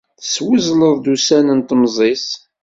Teswezleḍ ussan n temẓi-s.